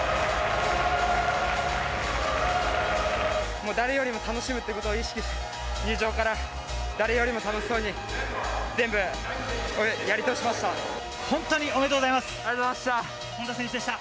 もう誰よりも楽しむってことを意識して、入場から誰よりも楽しそうに全部やり通しました。